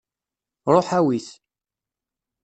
Ruḥ awi-t.